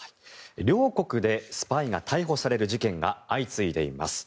両国でスパイが逮捕される事件が相次いでいます。